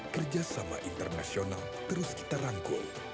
kerjasama internasional terus kita rangkul